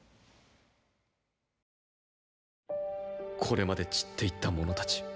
これまで散っていった者たちーー。